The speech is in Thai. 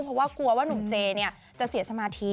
เพราะว่ากลัวว่าหนุ่มเจจะเสียสมาธิ